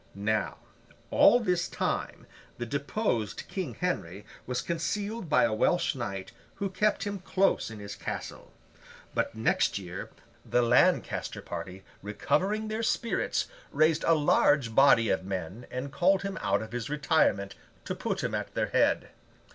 Now, all this time, the deposed King Henry was concealed by a Welsh knight, who kept him close in his castle. But, next year, the Lancaster party recovering their spirits, raised a large body of men, and called him out of his retirement, to put him at their head.